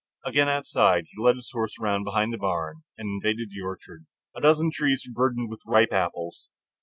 Again outside, he led the horse around behind the barn and invaded the orchard. A dozen trees were burdened with ripe apples.